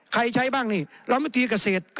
ใครจะใช้บ้าง